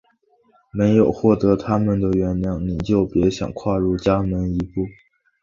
没有获得它们的原谅你就别想跨入家门一步！